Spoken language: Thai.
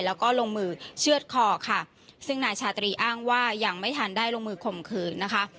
แล้วก็ลงมือเชื่อดคอค่ะซึ่งนายชาตรีอ้างว่ายังไม่ทันได้ลงมือข่มขืนนะคะ